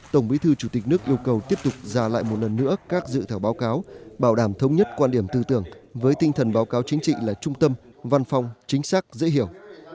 tổng bí thư chủ tịch nước yêu cầu tiếp tục ra lại một lần nữa các dự thảo báo cáo bảo đảm thống nhất quan điểm tư tưởng với tinh thần báo cáo chính trị là trung tâm văn phòng chính xác dễ hiểu